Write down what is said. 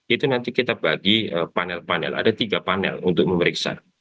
itu nanti kita bagi panel panel ada tiga panel untuk memeriksa